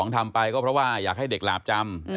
ทำไปก็เพราะว่าอยากให้เด็กหลาบจำ